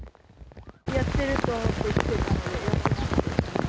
やってると思ってきてたのにやってなかった。